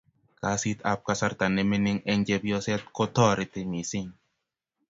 kasit ab kasarta ne mining eng chebyoset ko tareti mising